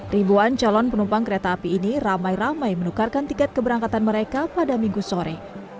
ribuan calon penumpang kereta api ini ramai ramai menukarkan tiket keberangkatan mereka pada minggu sore